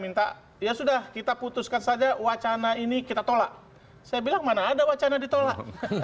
minta ya sudah kita putuskan saja wacana ini kita tolak saya bilang mana ada wacana ditolak